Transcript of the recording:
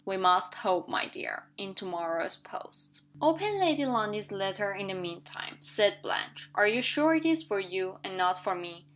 We must hope, my dear, in to morrow's post." "Open Lady Lundie's letter in the mean time," said Blanche. "Are you sure it is for you and not for me?"